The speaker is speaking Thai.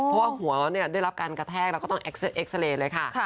เพราะว่าหัวได้รับการกระแทกแล้วก็ต้องเอ็กซาเรย์เลยค่ะ